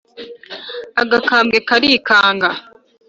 agakambwe karikanga,